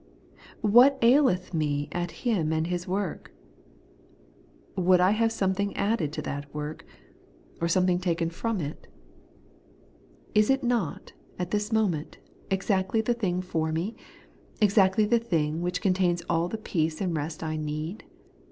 What aileth me at Him and His work ? Would I have something added to that work, or something taken The Pardon and the Peace made s^ire. 173 from it ? Is it not, at this moment, exactly the thing for me ; exactly the thing which contains all the peace and rest I need